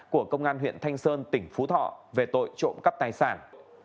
của công an huyện thanh sơn tỉnh phú thọ về tội trộm cắp tài sản